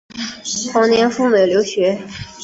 同年赴美留学。